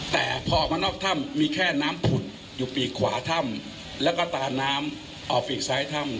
แต่พอออกมานอกถ้ำมีแค่น้ำผุ่นอยู่ปีกขวาถ้ำแล้วก็ตาน้ำออกปีกซ้ายถ้ำ